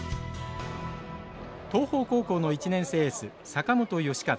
東邦高校の１年生エース坂本佳一。